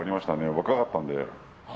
若かったんで。